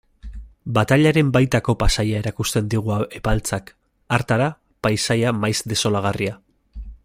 Batailaren baitako paisaia erakusten digu Epaltzak, hartara, paisaia maiz desolagarria.